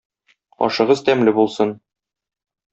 Ашыгыз тәмле булсын!